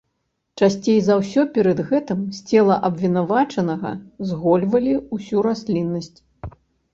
Часцей за ўсё перад гэтым з цела абвінавачанага згольвалі ўсю расліннасць.